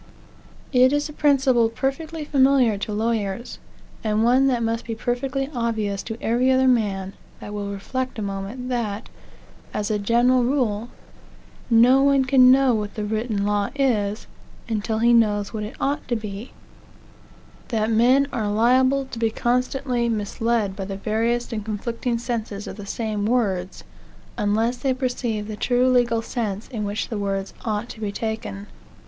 It is a principle perfectly familiar to lawyers, and one that must be perfectly obvious to every other man that will reflect a moment, that, as a general rule, no one can know what the written law is, until he knows what it ought to be; that men are liable to be constantly misled by the various and conflicting senses of the same words, unless they perceive the true legal sense in which the words ought to be taken.